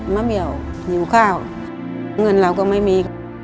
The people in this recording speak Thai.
มะเหมียวหิวข้าวเงินเราก็ไม่มี